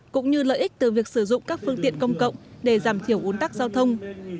cũng như lợi ích từ việc sử dụng các phương tiện công cộng để giảm thiểu uốn tắc giao thông